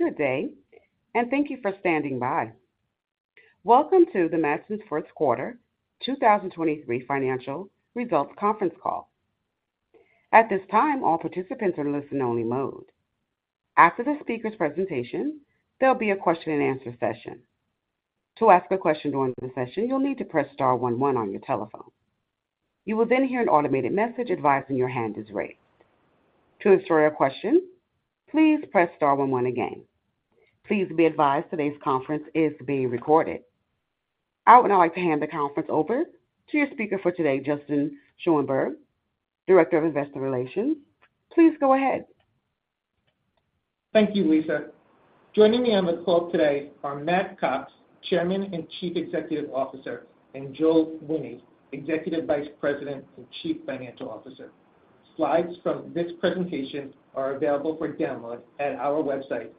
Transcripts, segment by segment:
Good day, and thank you for standing by. Welcome to the Matson’s fourth quarter 2023 financial results conference call. At this time, all participants are in listen-only mode. After the speaker’s presentation, there’ll be a question-and-answer session. To ask a question during the session, you’ll need to press star one one on your telephone. You will then hear an automated message advising your hand is raised. To submit your question, please press star one one again. Please be advised today’s conference is being recorded. I would now like to hand the conference over to your speaker for today, Justin Schoenberg, Director of Investor Relations. Please go ahead. Thank you, Lisa. Joining me on the call today are Matt Cox, Chairman and Chief Executive Officer, and Joel Wine, Executive Vice President and Chief Financial Officer. Slides from this presentation are available for download at our website,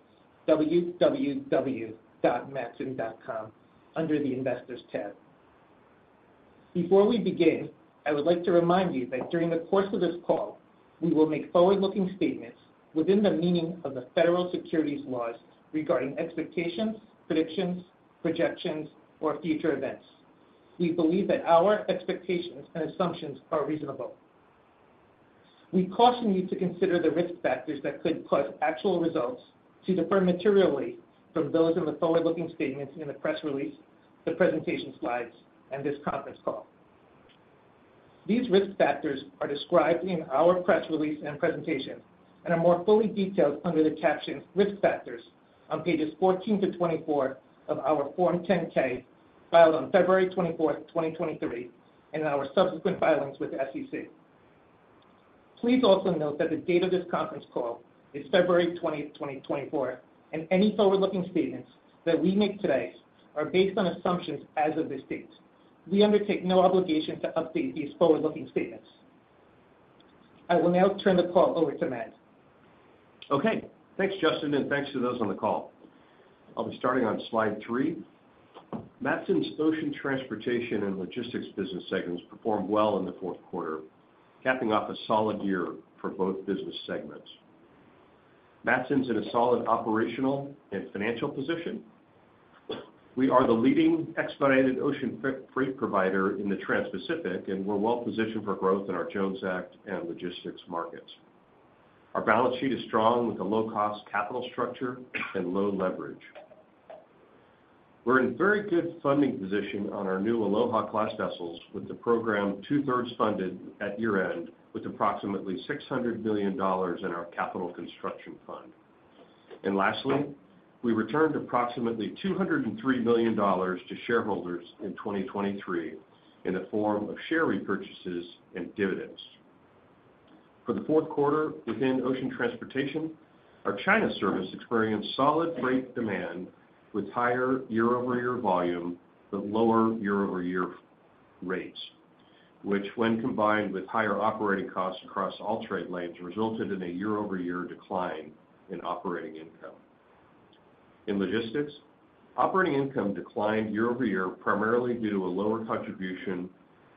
www.matson.com, under the Investors tab. Before we begin, I would like to remind you that during the course of this call, we will make forward-looking statements within the meaning of the federal securities laws regarding expectations, predictions, projections, or future events. We believe that our expectations and assumptions are reasonable. We caution you to consider the risk factors that could cause actual results to differ materially from those in the forward-looking statements in the press release, the presentation slides, and this conference call. These risk factors are described in our press release and presentation and are more fully detailed under the caption "Risk Factors" on pages 14-24 of our Form 10-K filed on February 24th, 2023, and in our subsequent filings with the SEC. Please also note that the date of this conference call is February 20th, 2024, and any forward-looking statements that we make today are based on assumptions as of this date. We undertake no obligation to update these forward-looking statements. I will now turn the call over to Matt. Okay. Thanks, Justin, and thanks to those on the call. I'll be starting on slide three. Matson's ocean transportation and logistics business segments performed well in the fourth quarter, capping off a solid year for both business segments. Matson's in a solid operational and financial position. We are the leading expedited ocean freight provider in the Trans-Pacific, and we're well-positioned for growth in our Jones Act and logistics markets. Our balance sheet is strong with a low-cost capital structure and low leverage. We're in very good funding position on our new Aloha Class vessels, with the program two-thirds funded at year-end with approximately $600 million in our Capital Construction Fund. And lastly, we returned approximately $203 million to shareholders in 2023 in the form of share repurchases and dividends. For the fourth quarter within ocean transportation, our China service experienced solid freight demand with higher year-over-year volume but lower year-over-year rates, which, when combined with higher operating costs across all trade lanes, resulted in a year-over-year decline in operating income. In logistics, operating income declined year-over-year primarily due to a lower contribution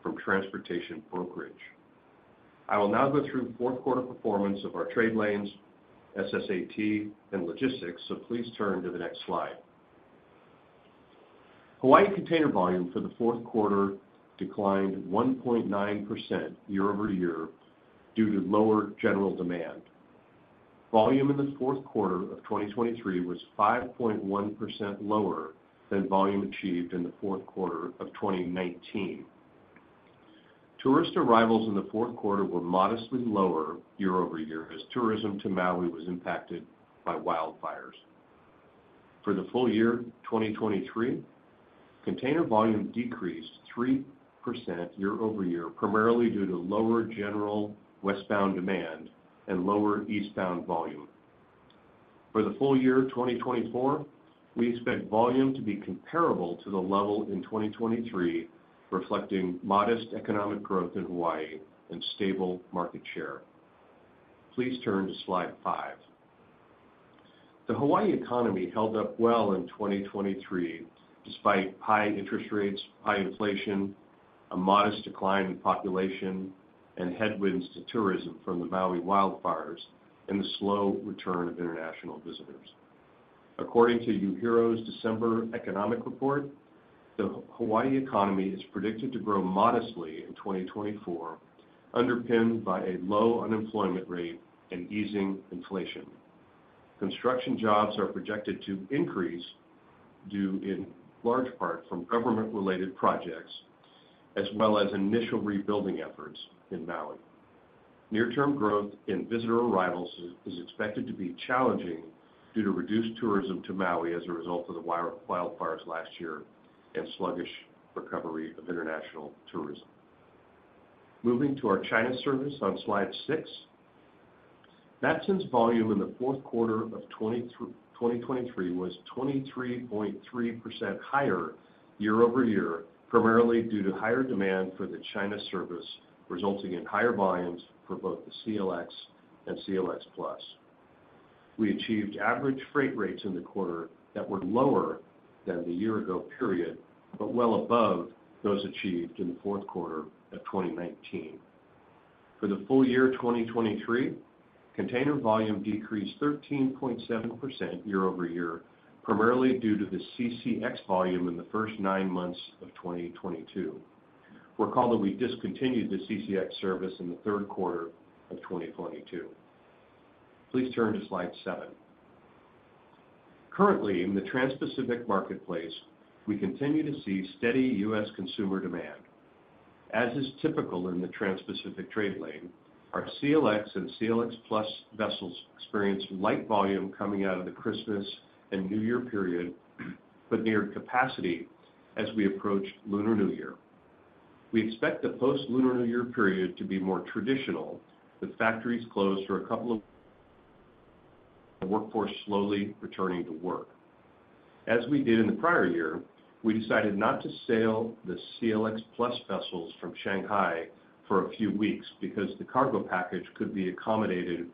from transportation brokerage. I will now go through fourth quarter performance of our trade lanes, SSAT, and logistics, so please turn to the next slide. Hawaii container volume for the fourth quarter declined 1.9% year-over-year due to lower general demand. Volume in the fourth quarter of 2023 was 5.1% lower than volume achieved in the fourth quarter of 2019. Tourist arrivals in the fourth quarter were modestly lower year-over-year as tourism to Maui was impacted by wildfires. For the full year 2023, container volume decreased 3% year-over-year primarily due to lower general westbound demand and lower eastbound volume. For the full year 2024, we expect volume to be comparable to the level in 2023, reflecting modest economic growth in Hawaii and stable market share. Please turn to slide five. The Hawaii economy held up well in 2023 despite high interest rates, high inflation, a modest decline in population, and headwinds to tourism from the Maui wildfires, and the slow return of international visitors. According to UHERO's December economic report, the Hawaii economy is predicted to grow modestly in 2024, underpinned by a low unemployment rate and easing inflation. Construction jobs are projected to increase in large part from government-related projects as well as initial rebuilding efforts in Maui. Near-term growth in visitor arrivals is expected to be challenging due to reduced tourism to Maui as a result of the wildfires last year and sluggish recovery of international tourism. Moving to our China service on slide six, Matson's volume in the fourth quarter of 2023 was 23.3% higher year-over-year, primarily due to higher demand for the China service, resulting in higher volumes for both the CLX and CLX+. We achieved average freight rates in the quarter that were lower than the year-ago period but well above those achieved in the fourth quarter of 2019. For the full year 2023, container volume decreased 13.7% year-over-year, primarily due to the CCX volume in the first nine months of 2022. Recall that we discontinued the CCX service in the third quarter of 2022. Please turn to slide seven. Currently, in the Trans-Pacific marketplace, we continue to see steady U.S. consumer demand. As is typical in the Trans-Pacific trade lane, our CLX and CLX+ experience light volume coming out of the Christmas and New Year period but neared capacity as we approached Lunar New Year. We expect the post-Lunar New Year period to be more traditional with factories closed for a couple of weeks and the workforce slowly returning to work. As we did in the prior year, we decided not to sail the CLX+ vessels from Shanghai for a few weeks because the cargo package could be accommodated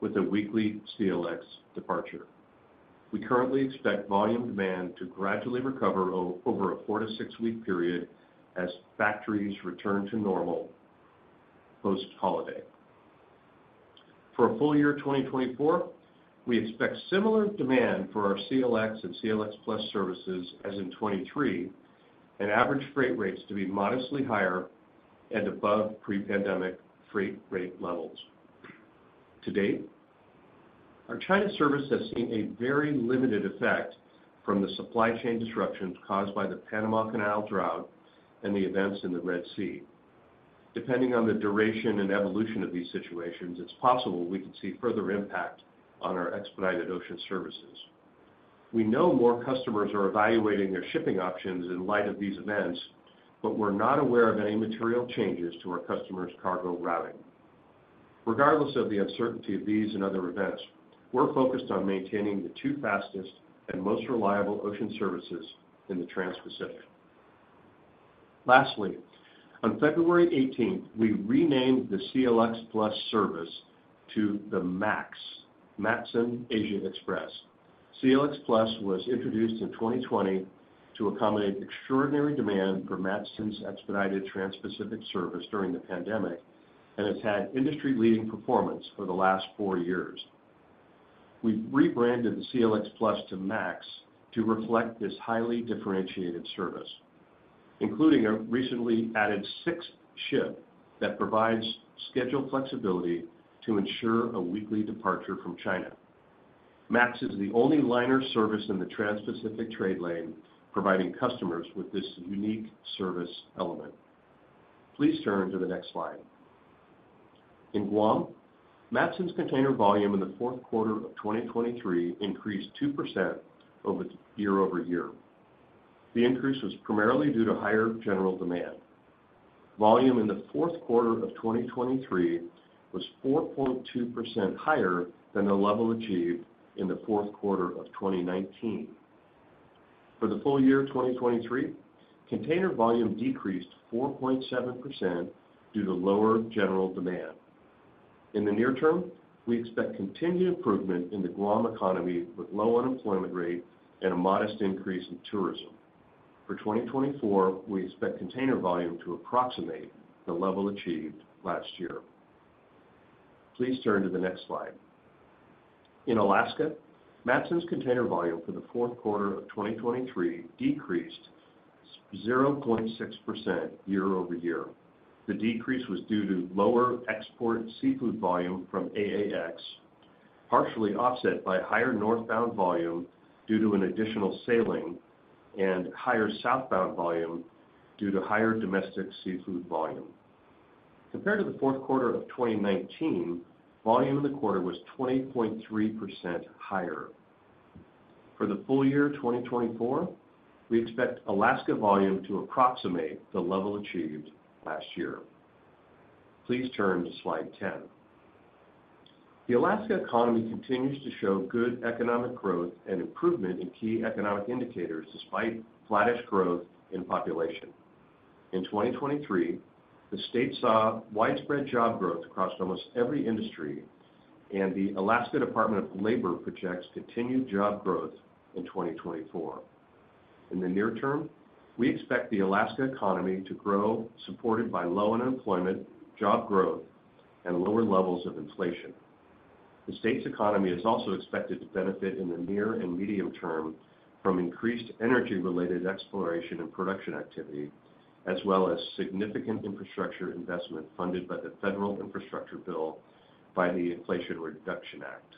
with a weekly CLX departure. We currently expect volume demand to gradually recover over a four-to-six-week period as factories return to normal post-holiday. For a full year 2024, we expect similar demand for our CLX and CLX+ services as in 2023 and average freight rates to be modestly higher and above pre-pandemic freight rate levels. To date, our China service has seen a very limited effect from the supply chain disruptions caused by the Panama Canal drought and the events in the Red Sea. Depending on the duration and evolution of these situations, it's possible we could see further impact on our expedited ocean services. We know more customers are evaluating their shipping options in light of these events, but we're not aware of any material changes to our customers' cargo routing. Regardless of the uncertainty of these and other events, we're focused on maintaining the two fastest and most reliable ocean services in the Trans-Pacific. Lastly, on February 18th, we renamed the CLX+ service to the MAX, Matson Asia Express. CLX+ was introduced in 2020 to accommodate extraordinary demand for Matson's expedited Trans-Pacific service during the pandemic and has had industry-leading performance for the last four years. We rebranded the CLX+ to MAX to reflect this highly differentiated service, including a recently added sixth ship that provides schedule flexibility to ensure a weekly departure from China. MAX is the only liner service in the Trans-Pacific trade lane providing customers with this unique service element. Please turn to the next slide. In Guam, Matson's container volume in the fourth quarter of 2023 increased 2% year-over-year. The increase was primarily due to higher general demand. Volume in the fourth quarter of 2023 was 4.2% higher than the level achieved in the fourth quarter of 2019. For the full year 2023, container volume decreased 4.7% due to lower general demand. In the near term, we expect continued improvement in the Guam economy with low unemployment rate and a modest increase in tourism. For 2024, we expect container volume to approximate the level achieved last year. Please turn to the next slide. In Alaska, Matson's container volume for the fourth quarter of 2023 decreased 0.6% year-over-year. The decrease was due to lower export seafood volume from AAX, partially offset by higher northbound volume due to an additional sailing and higher southbound volume due to higher domestic seafood volume. Compared to the fourth quarter of 2019, volume in the quarter was 20.3% higher. For the full year 2024, we expect Alaska volume to approximate the level achieved last year. Please turn to slide 10. The Alaska economy continues to show good economic growth and improvement in key economic indicators despite flat-ish growth in population. In 2023, the state saw widespread job growth across almost every industry, and the Alaska Department of Labor projects continued job growth in 2024. In the near term, we expect the Alaska economy to grow supported by low unemployment, job growth, and lower levels of inflation. The state's economy is also expected to benefit in the near and medium term from increased energy-related exploration and production activity as well as significant infrastructure investment funded by the federal infrastructure bill by the Inflation Reduction Act.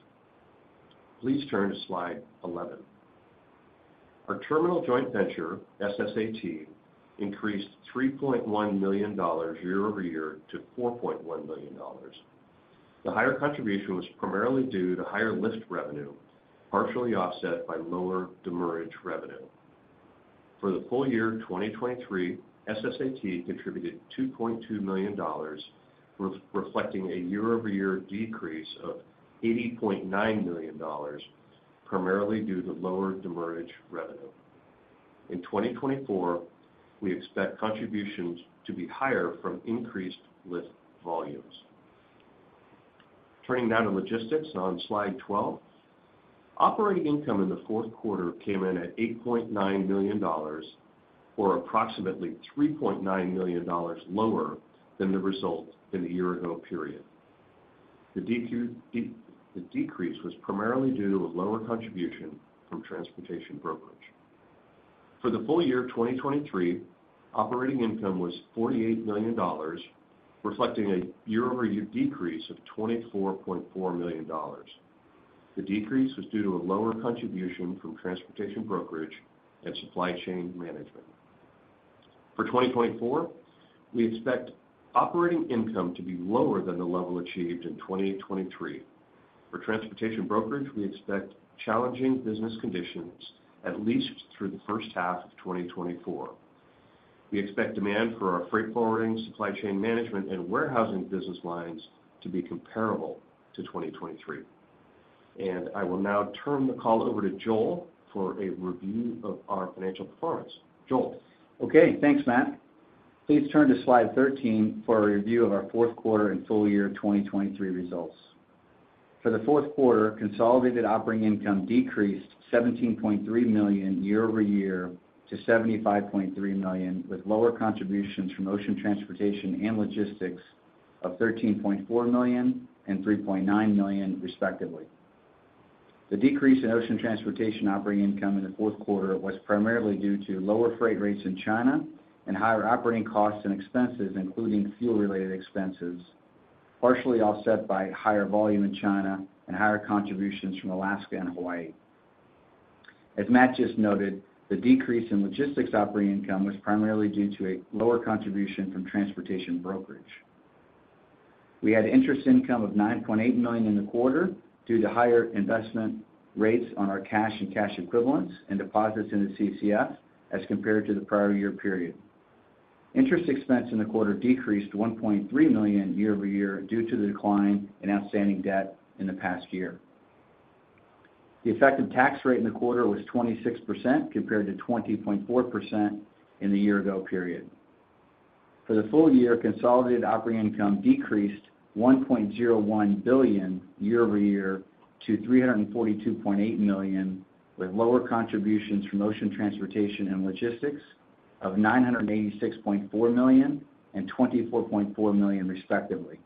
Please turn to slide 11. Our terminal joint venture, SSAT, increased $3.1 million year-over-year to $4.1 million. The higher contribution was primarily due to higher lift revenue, partially offset by lower demurrage revenue. For the full year 2023, SSAT contributed $2.2 million, reflecting a year-over-year decrease of $80.9 million, primarily due to lower demurrage revenue. In 2024, we expect contributions to be higher from increased lift volumes. Turning now to logistics on slide 12, operating income in the fourth quarter came in at $8.9 million or approximately $3.9 million lower than the result in the year-ago period. The decrease was primarily due to a lower contribution from transportation brokerage. For the full year 2023, operating income was $48 million, reflecting a year-over-year decrease of $24.4 million. The decrease was due to a lower contribution from transportation brokerage and supply chain management. For 2024, we expect operating income to be lower than the level achieved in 2023. For transportation brokerage, we expect challenging business conditions, at least through the first half of 2024. We expect demand for our freight forwarding, supply chain management, and warehousing business lines to be comparable to 2023. I will now turn the call over to Joel for a review of our financial performance. Joel. Okay. Thanks, Matt. Please turn to slide 13 for a review of our fourth quarter and full year 2023 results. For the fourth quarter, consolidated operating income decreased $17.3 million year-over-year to $75.3 million with lower contributions from ocean transportation and logistics of $13.4 million and $3.9 million, respectively. The decrease in ocean transportation operating income in the fourth quarter was primarily due to lower freight rates in China and higher operating costs and expenses, including fuel-related expenses, partially offset by higher volume in China and higher contributions from Alaska and Hawaii. As Matt just noted, the decrease in logistics operating income was primarily due to a lower contribution from transportation brokerage. We had interest income of $9.8 million in the quarter due to higher investment rates on our cash and cash equivalents and deposits in the CCF as compared to the prior year period. Interest expense in the quarter decreased $1.3 million year-over-year due to the decline in outstanding debt in the past year. The effective tax rate in the quarter was 26% compared to 20.4% in the year-ago period. For the full year, consolidated operating income decreased $1.01 billion year-over-year to $342.8 million with lower contributions from ocean transportation and logistics of $986.4 million and $24.4 million, respectively.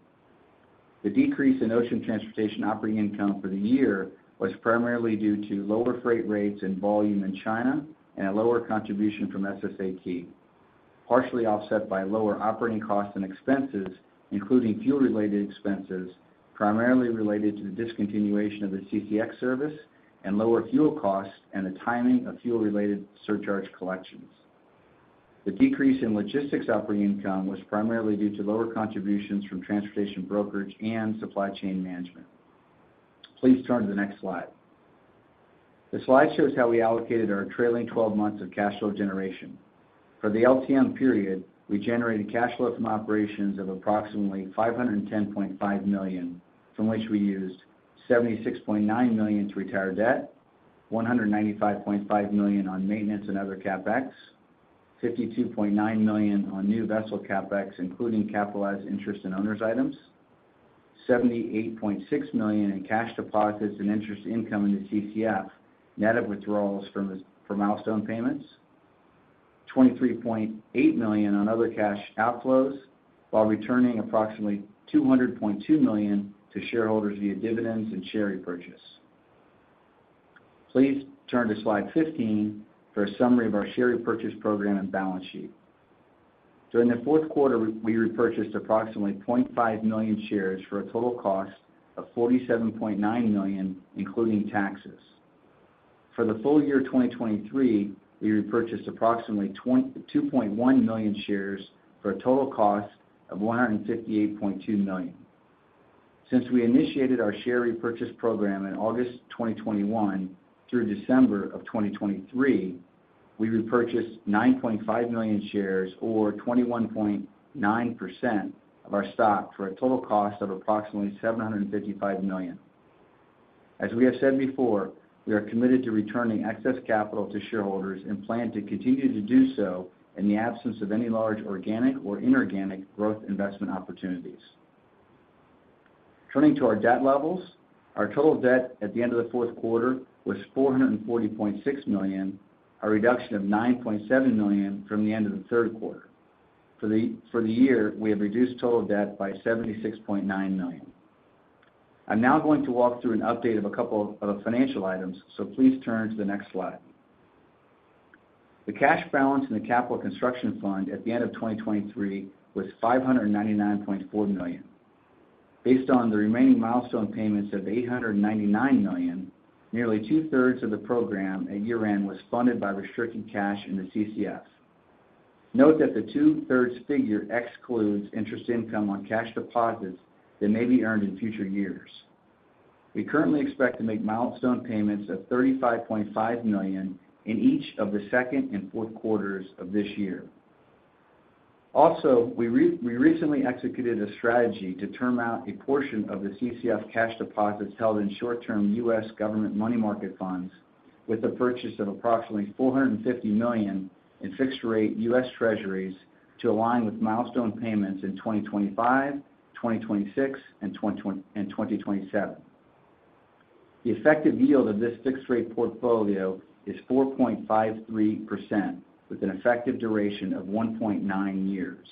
The decrease in ocean transportation operating income for the year was primarily due to lower freight rates and volume in China and a lower contribution from SSAT, partially offset by lower operating costs and expenses, including fuel-related expenses, primarily related to the discontinuation of the CCX service and lower fuel costs and the timing of fuel-related surcharge collections. The decrease in logistics operating income was primarily due to lower contributions from transportation brokerage and supply chain management. Please turn to the next slide. The slide shows how we allocated our trailing 12 months of cash flow generation. For the LTM period, we generated cash flow from operations of approximately $510.5 million, from which we used $76.9 million to retire debt, $195.5 million on maintenance and other CapEx, $52.9 million on new vessel CapEx, including capitalized interest and owners' items, $78.6 million in cash deposits and interest income in the CCF, net of withdrawals from milestone payments, $23.8 million on other cash outflows while returning approximately $200.2 million to shareholders via dividends and share repurchase. Please turn to slide 15 for a summary of our share repurchase program and balance sheet. During the fourth quarter, we repurchased approximately 0.5 million shares for a total cost of $47.9 million, including taxes. For the full year 2023, we repurchased approximately 2.1 million shares for a total cost of $158.2 million. Since we initiated our share repurchase program in August 2021 through December of 2023, we repurchased 9.5 million shares or 21.9% of our stock for a total cost of approximately $755 million. As we have said before, we are committed to returning excess capital to shareholders and plan to continue to do so in the absence of any large organic or inorganic growth investment opportunities. Turning to our debt levels, our total debt at the end of the fourth quarter was $440.6 million, a reduction of $9.7 million from the end of the third quarter. For the year, we have reduced total debt by $76.9 million. I'm now going to walk through an update of a couple of financial items, so please turn to the next slide. The cash balance in the Capital Construction Fund at the end of 2023 was $599.4 million. Based on the remaining milestone payments of $899 million, nearly two-thirds of the program at year-end was funded by restricted cash in the CCF. Note that the two-thirds figure excludes interest income on cash deposits that may be earned in future years. We currently expect to make milestone payments of $35.5 million in each of the second and fourth quarters of this year. Also, we recently executed a strategy to term out a portion of the CCF cash deposits held in short-term U.S. government money market funds with the purchase of approximately $450 million in fixed-rate U.S. Treasuries to align with milestone payments in 2025, 2026, and 2027. The effective yield of this fixed-rate portfolio is 4.53% with an effective duration of 1.9 years.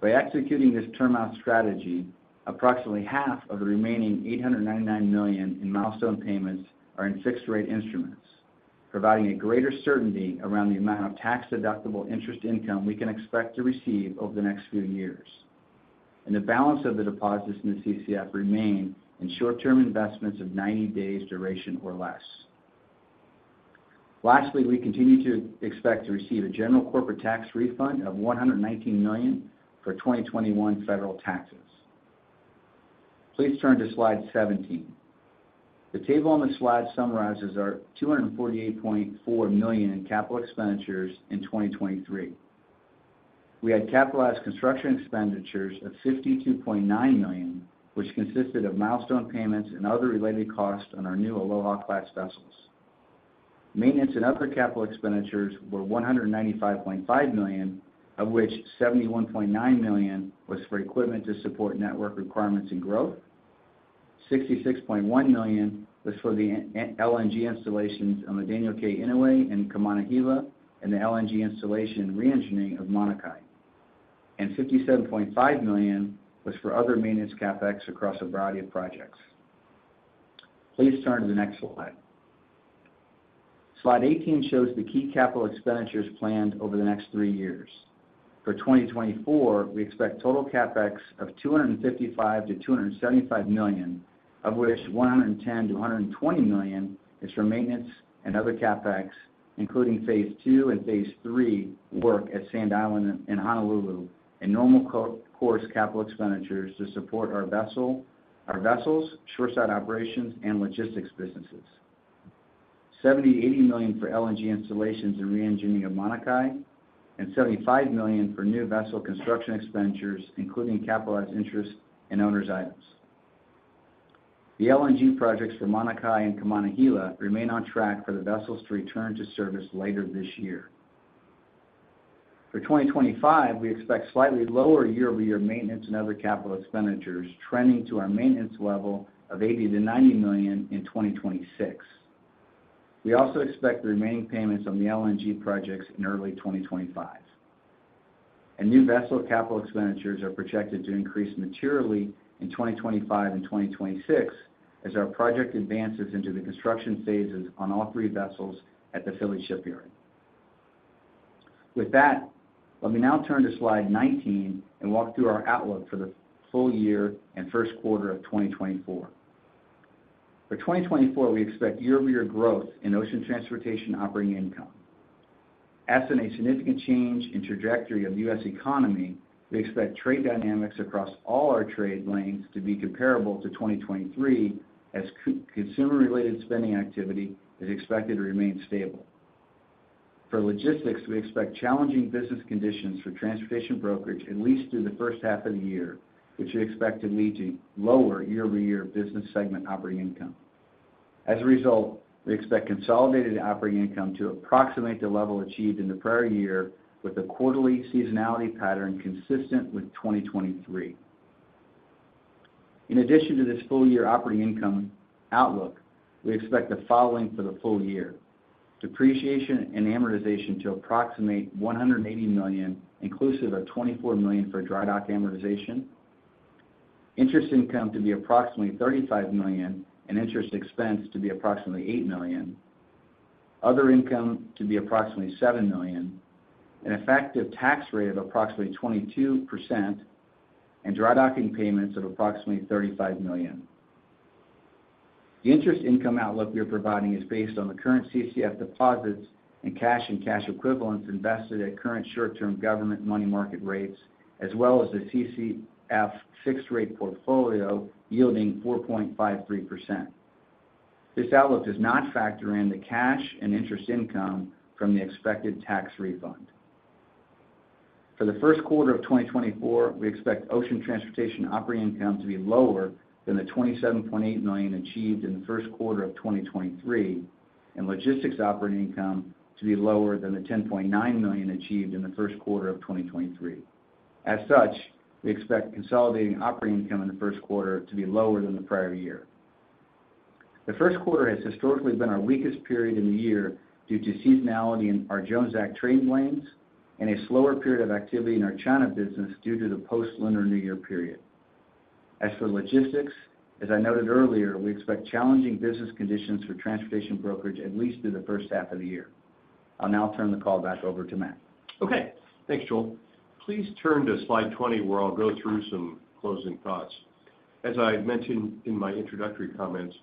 By executing this term-out strategy, approximately half of the remaining $899 million in milestone payments are in fixed-rate instruments, providing a greater certainty around the amount of tax-deductible interest income we can expect to receive over the next few years. The balance of the deposits in the CCF remain in short-term investments of 90 days' duration or less. Lastly, we continue to expect to receive a general corporate tax refund of $119 million for 2021 federal taxes. Please turn to slide 17. The table on the slide summarizes our $248.4 million in capital expenditures in 2023. We had capitalized construction expenditures of $52.9 million, which consisted of milestone payments and other related costs on our new Aloha Class vessels. Maintenance and other capital expenditures were $195.5 million, of which $71.9 million was for equipment to support network requirements and growth, $66.1 million was for the LNG installations on the Daniel K. Inouye and Kaimana Hila and the LNG installation re-engineering of Manukai, and $57.5 million was for other maintenance CapEx across a variety of projects. Please turn to the next slide. Slide 18 shows the key capital expenditures planned over the next three years. For 2024, we expect total CapEx of $255 million-$275 million, of which $110 million-$120 million is for maintenance and other CapEx, including phase two and phase three work at Sand Island and Honolulu and normal-course capital expenditures to support our vessels, shoreside operations, and logistics businesses. $70 million-$80 million for LNG installations and re-engineering of Manukai, and $75 million for new vessel construction expenditures, including capitalized interest and owners' items. The LNG projects for Manukai and Kaimana Hila remain on track for the vessels to return to service later this year. For 2025, we expect slightly lower year-over-year maintenance and other capital expenditures trending to our maintenance level of $80 million-$90 million in 2026. We also expect the remaining payments on the LNG projects in early 2025. New vessel capital expenditures are projected to increase materially in 2025 and 2026 as our project advances into the construction phases on all three vessels at the Philly Shipyard. With that, let me now turn to slide 19 and walk through our outlook for the full year and first quarter of 2024. For 2024, we expect year-over-year growth in ocean transportation operating income. Absent a significant change in trajectory of U.S. economy, we expect trade dynamics across all our trade lanes to be comparable to 2023 as consumer-related spending activity is expected to remain stable. For logistics, we expect challenging business conditions for transportation brokerage, at least through the first half of the year, which we expect to lead to lower year-over-year business segment operating income. As a result, we expect consolidated operating income to approximate the level achieved in the prior year with a quarterly seasonality pattern consistent with 2023. In addition to this full year operating income outlook, we expect the following for the full year: depreciation and amortization to approximate $180 million, inclusive of $24 million for dry dock amortization, interest income to be approximately $35 million and interest expense to be approximately $8 million, other income to be approximately $7 million, an effective tax rate of approximately 22%, and dry docking payments of approximately $35 million. The interest income outlook we are providing is based on the current CCF deposits and cash and cash equivalents invested at current short-term government money market rates, as well as the CCF fixed-rate portfolio yielding 4.53%. This outlook does not factor in the cash and interest income from the expected tax refund. For the first quarter of 2024, we expect ocean transportation operating income to be lower than the $27.8 million achieved in the first quarter of 2023 and logistics operating income to be lower than the $10.9 million achieved in the first quarter of 2023. As such, we expect consolidating operating income in the first quarter to be lower than the prior year. The first quarter has historically been our weakest period in the year due to seasonality in our Jones Act trade lanes and a slower period of activity in our China business due to the post-Lunar New Year period. As for logistics, as I noted earlier, we expect challenging business conditions for transportation brokerage, at least through the first half of the year. I'll now turn the call back over to Matt. Okay. Thanks, Joel. Please turn to slide 20, where I'll go through some closing thoughts. As I mentioned in my introductory comments,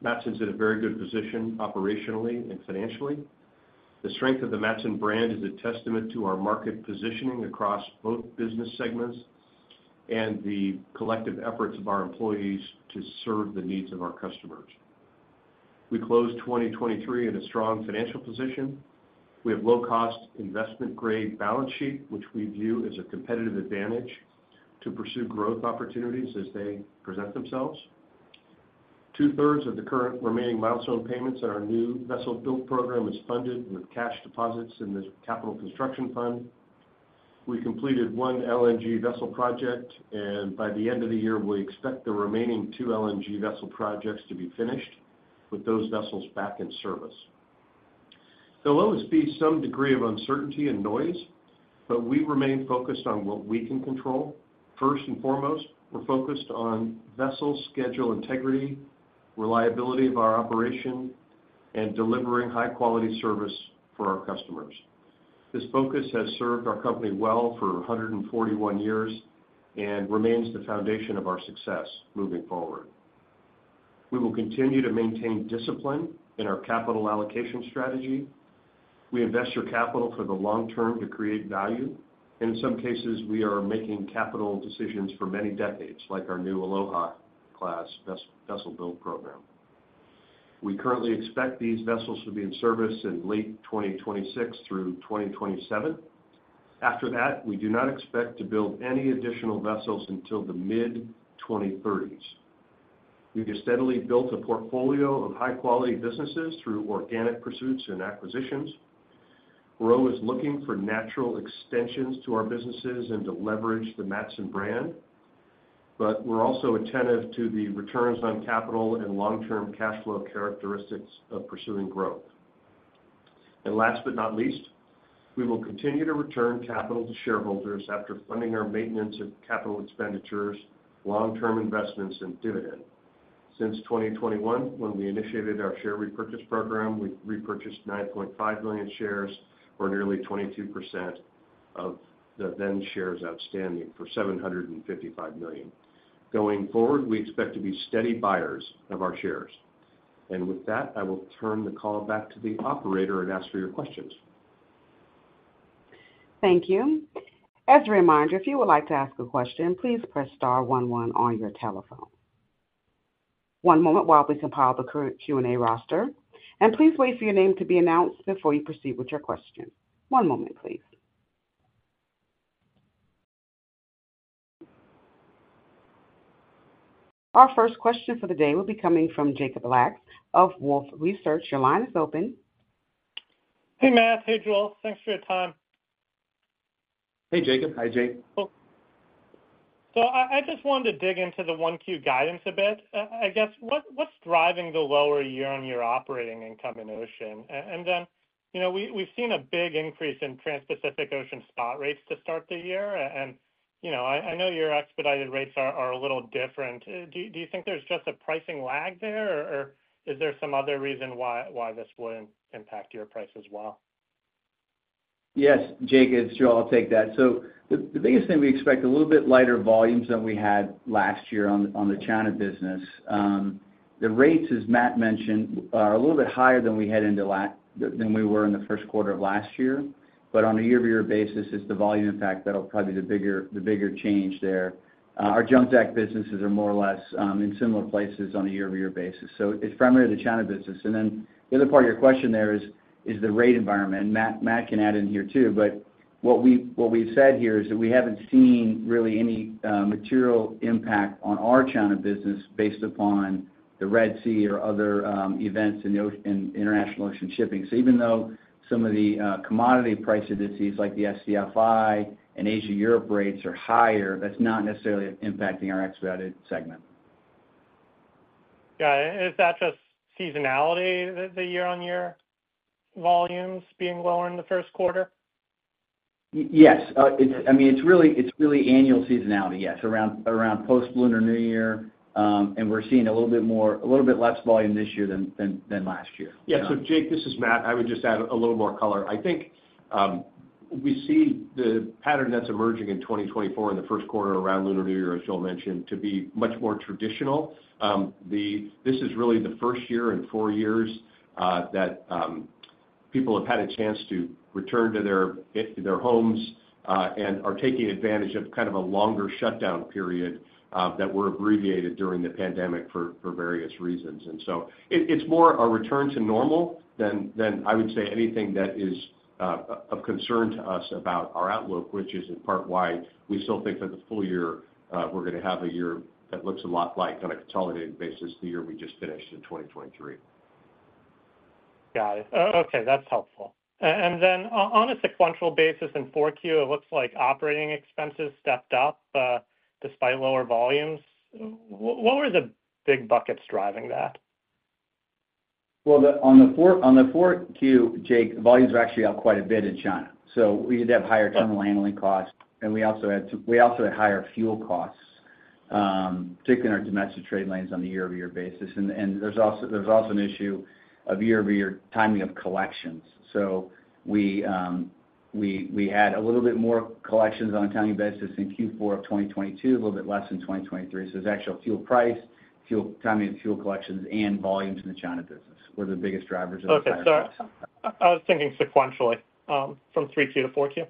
Matson's in a very good position operationally and financially. The strength of the Matson brand is a testament to our market positioning across both business segments and the collective efforts of our employees to serve the needs of our customers. We closed 2023 in a strong financial position. We have low-cost investment-grade balance sheet, which we view as a competitive advantage to pursue growth opportunities as they present themselves. Two-thirds of the current remaining milestone payments in our new vessel build program is funded with cash deposits in the Capital Construction Fund. We completed one LNG vessel project, and by the end of the year, we expect the remaining two LNG vessel projects to be finished with those vessels back in service. There will always be some degree of uncertainty and noise, but we remain focused on what we can control. First and foremost, we're focused on vessel schedule integrity, reliability of our operation, and delivering high-quality service for our customers. This focus has served our company well for 141 years and remains the foundation of our success moving forward. We will continue to maintain discipline in our capital allocation strategy. We invest your capital for the long term to create value. In some cases, we are making capital decisions for many decades, like our new Aloha Class vessel build program. We currently expect these vessels to be in service in late 2026 through 2027. After that, we do not expect to build any additional vessels until the mid-2030s. We have steadily built a portfolio of high-quality businesses through organic pursuits and acquisitions. We're always looking for natural extensions to our businesses and to leverage the Matson brand, but we're also attentive to the returns on capital and long-term cash flow characteristics of pursuing growth. Last but not least, we will continue to return capital to shareholders after funding our maintenance of capital expenditures, long-term investments, and dividend. Since 2021, when we initiated our share repurchase program, we've repurchased 9.5 million shares, or nearly 22% of the then-shares outstanding, for $755 million. Going forward, we expect to be steady buyers of our shares. And with that, I will turn the call back to the operator and ask for your questions. Thank you. As a reminder, if you would like to ask a question, please press star one one on your telephone. One moment while we compile the Q&A roster. Please wait for your name to be announced before you proceed with your question. One moment, please. Our first question for the day will be coming from Jacob Lacks of Wolfe Research. Your line is open. Hey, Matt. Hey, Joel. Thanks for your time. Hey, Jacob. Hi, Jake. So I just wanted to dig into the 1Q guidance a bit. I guess, what's driving the lower year-on-year operating income in ocean? And then we've seen a big increase in Trans-Pacific ocean spot rates to start the year. And I know your expedited rates are a little different. Do you think there's just a pricing lag there, or is there some other reason why this would impact your price as well? Yes, Jacob. It's Joel, I'll take that. So the biggest thing we expect a little bit lighter volumes than we had last year on the China business. The rates, as Matt mentioned, are a little bit higher than we were in the first quarter of last year. But on a year-over-year basis, it's the volume, in fact, that'll probably be the bigger change there. Our Jones Act businesses are more or less in similar places on a year-over-year basis. So it's primarily the China business. And then the other part of your question there is the rate environment. And Matt can add in here too. But what we've said here is that we haven't seen really any material impact on our China business based upon the Red Sea or other events in international ocean shipping. So even though some of the commodity price indices like the SCFI and Asia-Europe rates are higher, that's not necessarily impacting our expedited segment. Got it. Is that just seasonality, the year-on-year volumes being lower in the first quarter? Yes. I mean, it's really annual seasonality, yes, around post-Lunar New Year. And we're seeing a little bit more a little bit less volume this year than last year. Yeah. So Jake, this is Matt. I would just add a little more color. I think we see the pattern that's emerging in 2024 in the first quarter around Lunar New Year, as Joel mentioned, to be much more traditional. This is really the first year in four years that people have had a chance to return to their homes and are taking advantage of kind of a longer shutdown period that were abbreviated during the pandemic for various reasons. And so it's more a return to normal than, I would say, anything that is of concern to us about our outlook, which is in part why we still think that the full year we're going to have a year that looks a lot like on a consolidated basis the year we just finished in 2023. Got it. Okay. That's helpful. And then on a sequential basis in 4Q, it looks like operating expenses stepped up despite lower volumes. What were the big buckets driving that? Well, on the 4Q, Jake, volumes were actually up quite a bit in China. So we did have higher terminal handling costs. And we also had higher fuel costs, particularly in our domestic trade lanes on a year-over-year basis. And there's also an issue of year-over-year timing of collections. So we had a little bit more collections on a timing basis in Q4 of 2022, a little bit less in 2023. So it's actually fuel price, timing of fuel collections, and volumes in the China business were the biggest drivers of the size up. Okay. Sorry. I was thinking sequentially from 3Q to 4Q.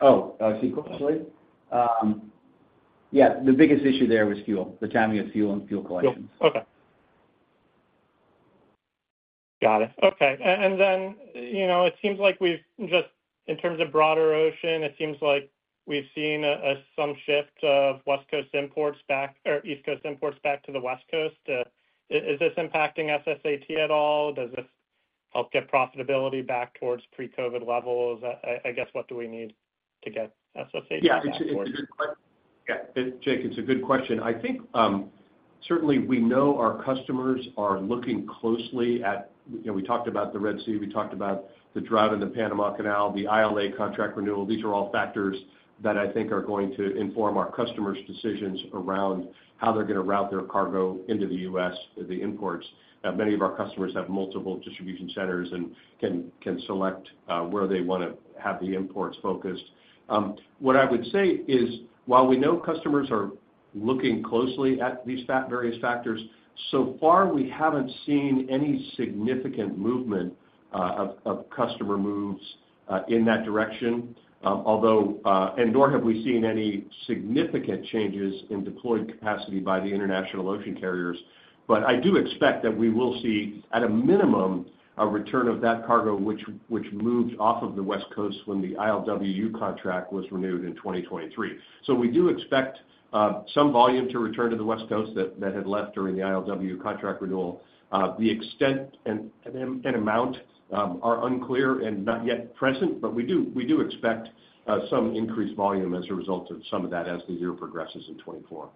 Oh, sequentially? Yeah. The biggest issue there was fuel, the timing of fuel and fuel collections. Fuel. Okay. Got it. Okay. And then it seems like we've just in terms of broader ocean, it seems like we've seen some shift of West Coast imports back or East Coast imports back to the West Coast. Is this impacting SSAT at all? Does this help get profitability back towards pre-COVID levels? I guess, what do we need to get SSAT back towards? Yeah. It's a good question. Yeah. Jake, it's a good question. I think, certainly, we know our customers are looking closely at we talked about the Red Sea. We talked about the drought in the Panama Canal, the ILA contract renewal. These are all factors that I think are going to inform our customers' decisions around how they're going to route their cargo into the U.S., the imports. Many of our customers have multiple distribution centers and can select where they want to have the imports focused. What I would say is, while we know customers are looking closely at these various factors, so far, we haven't seen any significant movement of customer moves in that direction, although and nor have we seen any significant changes in deployed capacity by the international ocean carriers. But I do expect that we will see, at a minimum, a return of that cargo which moved off of the West Coast when the ILWU contract was renewed in 2023. So we do expect some volume to return to the West Coast that had left during the ILWU contract renewal. The extent and amount are unclear and not yet present, but we do expect some increased volume as a result of some of that as the year progresses in 2024.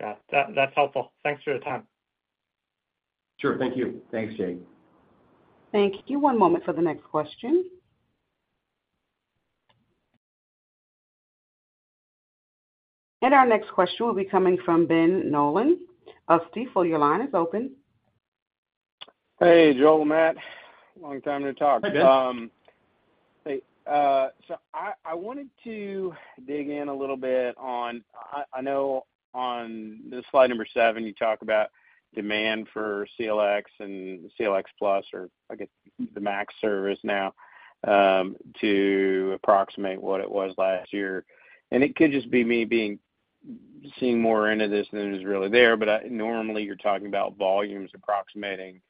Got it. That's helpful. Thanks for your time. Sure. Thank you. Thanks, Jake. Thank you. One moment for the next question. And our next question will be coming from Ben Nolan of Stifel. Your line is open. Hey, Joel and Matt. Long time no talk. Hey, Ben. Hey. So I wanted to dig in a little bit on, I know on slide 7, you talk about demand for CLX and CLX+, or I guess the MAX service now, to approximate what it was last year. And it could just be me seeing more into this than it was really there. But normally, you're talking about volumes approximating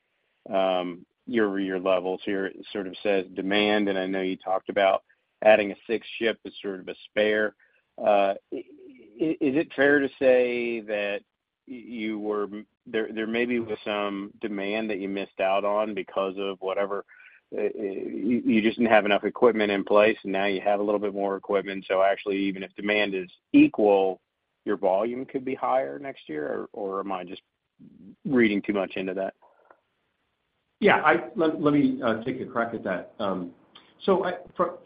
year-over-year levels. Here it sort of says demand, and I know you talked about adding a sixth ship as sort of a spare. Is it fair to say that you were there maybe was some demand that you missed out on because of whatever you just didn't have enough equipment in place, and now you have a little bit more equipment. So actually, even if demand is equal, your volume could be higher next year? Or am I just reading too much into that? Yeah. Let me take a crack at that. So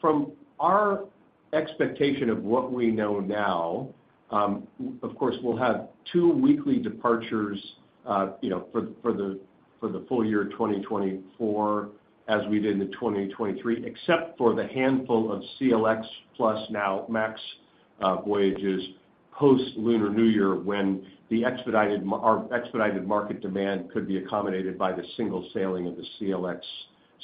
from our expectation of what we know now, of course, we'll have two weekly departures for the full year 2024 as we did in 2023, except for the handful of CLX+ now MAX voyages post-Lunar New Year when our expedited market demand could be accommodated by the single sailing of the CLX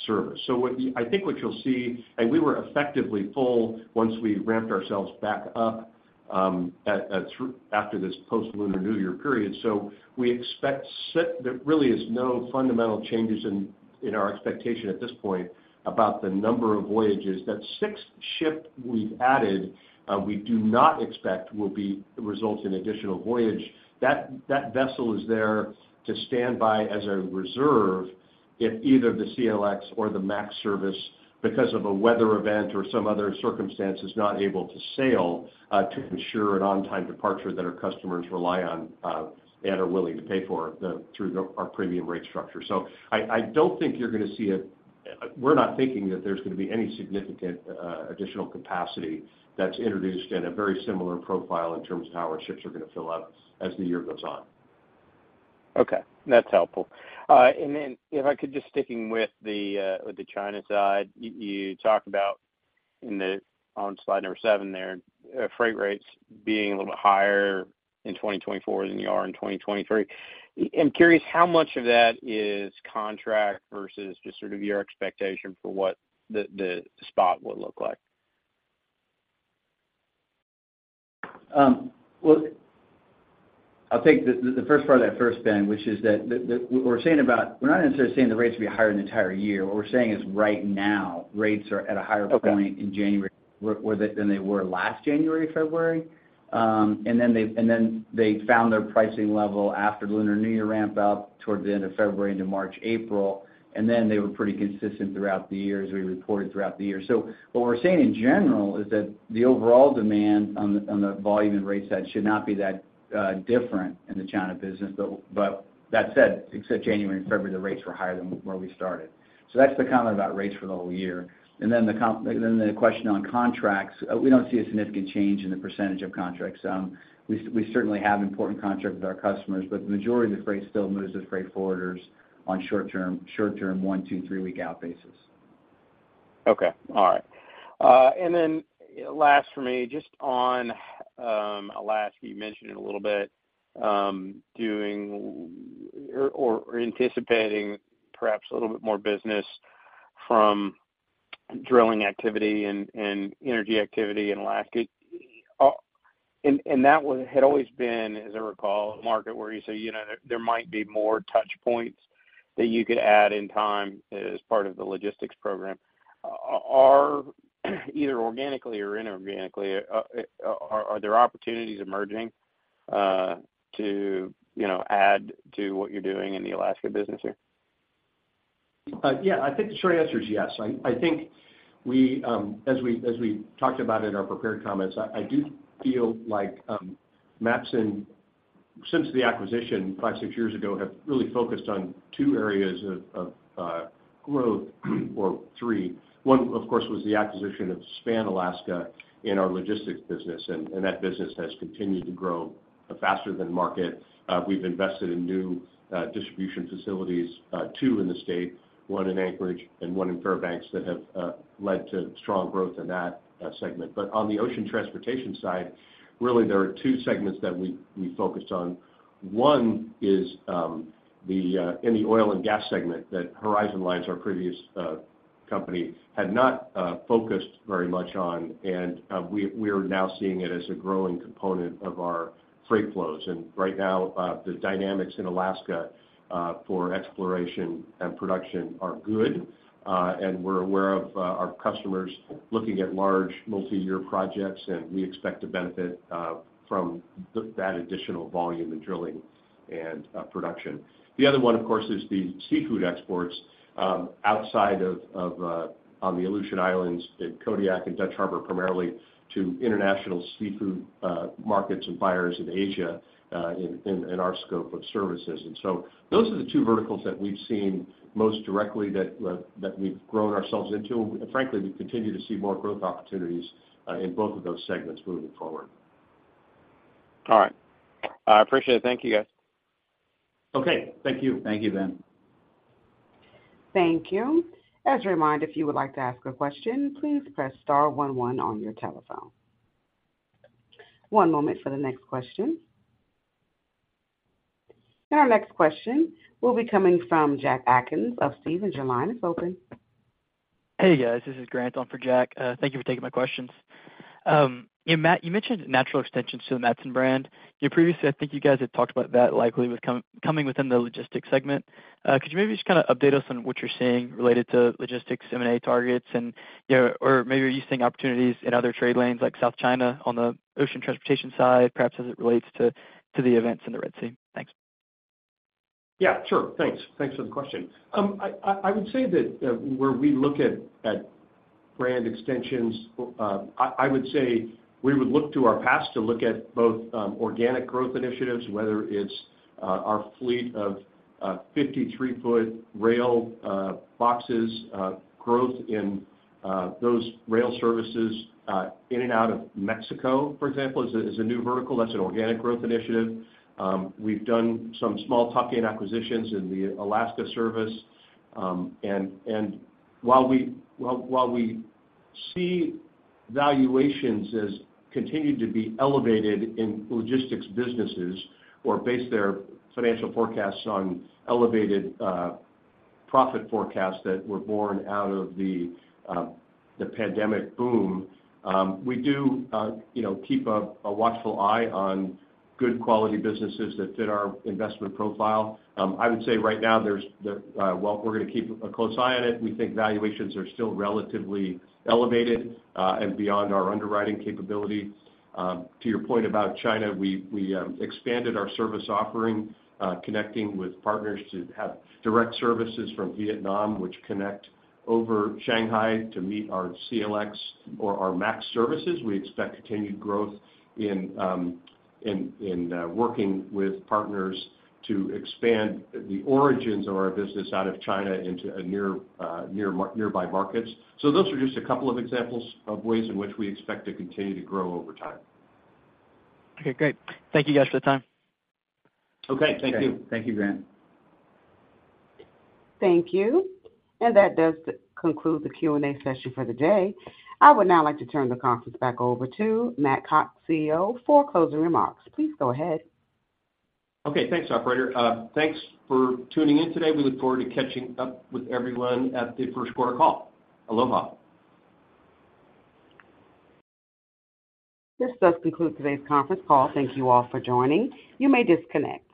service. So I think what you'll see and we were effectively full once we ramped ourselves back up after this post-Lunar New Year period. So there really is no fundamental changes in our expectation at this point about the number of voyages. That sixth ship we've added, we do not expect will result in additional voyage. That vessel is there to stand by as a reserve if either the CLX or the MAX service, because of a weather event or some other circumstance, is not able to sail to ensure an on-time departure that our customers rely on and are willing to pay for through our premium rate structure. So I don't think you're going to see, we're not thinking that there's going to be any significant additional capacity that's introduced in a very similar profile in terms of how our ships are going to fill up as the year goes on. Okay. That's helpful. And then if I could just stick with the China side, you talked about on slide number seven there, freight rates being a little bit higher in 2024 than they are in 2023. I'm curious, how much of that is contract versus just sort of your expectation for what the spot would look like? Well, I'll take the first part of that first, Ben, which is that we're saying about we're not necessarily saying the rates will be higher an entire year. What we're saying is right now, rates are at a higher point in January than they were last January, February. And then they found their pricing level after Lunar New Year ramp up toward the end of February into March, April. And then they were pretty consistent throughout the year as we reported throughout the year. So what we're saying in general is that the overall demand on the volume and rate side should not be that different in the China business. But that said, except January and February, the rates were higher than where we started. So that's the comment about rates for the whole year. Then the question on contracts, we don't see a significant change in the percentage of contracts. We certainly have important contracts with our customers, but the majority of the freight still moves as freight forwarders on short-term, one-, two-, three-week out basis. Okay. All right. Then last for me, just on Alaska, you mentioned it a little bit, doing or anticipating perhaps a little bit more business from drilling activity and energy activity in Alaska. And that had always been, as I recall, a market where you say there might be more touchpoints that you could add in time as part of the logistics program. Either organically or inorganically, are there opportunities emerging to add to what you're doing in the Alaska business here? Yeah. I think the short answer is yes. I think, as we talked about in our prepared comments, I do feel like Matson since the acquisition five, six years ago, have really focused on two areas of growth or three. One, of course, was the acquisition of Span Alaska in our logistics business. And that business has continued to grow faster than market. We've invested in new distribution facilities, two in the state, one in Anchorage and one in Fairbanks, that have led to strong growth in that segment. But on the ocean transportation side, really, there are two segments that we focused on. one is in the oil and gas segment that Horizon Lines, our previous company, had not focused very much on. And we are now seeing it as a growing component of our freight flows. And right now, the dynamics in Alaska for exploration and production are good. We're aware of our customers looking at large multi-year projects. We expect to benefit from that additional volume in drilling and production. The other one, of course, is the seafood exports outside of on the Aleutian Islands in Kodiak and Dutch Harbor primarily to international seafood markets and buyers in Asia in our scope of services. So those are the two verticals that we've seen most directly that we've grown ourselves into. And frankly, we continue to see more growth opportunities in both of those segments moving forward. All right. I appreciate it. Thank you, guys. Okay. Thank you. Thank you, Ben. Thank you. As a reminder, if you would like to ask a question, please press star one one on your telephone. One moment for the next question. Our next question will be coming from Jack Atkins of Stephens and your line is open. Hey, guys. This is Grant on for Jack. Thank you for taking my questions. Matt, you mentioned natural extensions to the Matson brand. Previously, I think you guys had talked about that likely coming within the logistics segment. Could you maybe just kind of update us on what you're seeing related to logistics M&A targets? And or maybe are you seeing opportunities in other trade lanes like South China on the ocean transportation side, perhaps as it relates to the events in the Red Sea? Thanks. Yeah. Sure. Thanks. Thanks for the question. I would say that where we look at brand extensions, I would say we would look to our past to look at both organic growth initiatives, whether it's our fleet of 53-foot rail boxes, growth in those rail services in and out of Mexico, for example, is a new vertical. That's an organic growth initiative. We've done some small tuck-in acquisitions in the Alaska service. While we see valuations continue to be elevated in logistics businesses or base their financial forecasts on elevated profit forecasts that were born out of the pandemic boom, we do keep a watchful eye on good quality businesses that fit our investment profile. I would say right now, well, we're going to keep a close eye on it. We think valuations are still relatively elevated and beyond our underwriting capability. To your point about China, we expanded our service offering, connecting with partners to have direct services from Vietnam, which connect over Shanghai to meet our CLX or our MAX services. We expect continued growth in working with partners to expand the origins of our business out of China into nearby markets. Those are just a couple of examples of ways in which we expect to continue to grow over time. Okay. Great. Thank you, guys, for the time. Okay. Thank you. Thank you, Grant. Thank you. That does conclude the Q&A session for the day. I would now like to turn the conference back over to Matt Cox, CEO, for closing remarks. Please go ahead. Okay. Thanks, operator. Thanks for tuning in today. We look forward to catching up with everyone at the first quarter call. Aloha. This does conclude today's conference call. Thank you all for joining. You may disconnect.